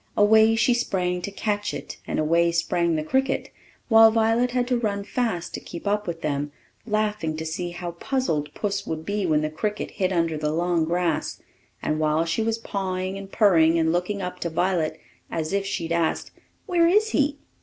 Away she sprang to catch it, and away sprang the cricket, while Violet had to run fast to keep up with them, laughing to see how puzzled puss would be when the cricket hid under the long grass; and while she was pawing, and purring, and looking up to Violet as if she'd ask, "Where is he?"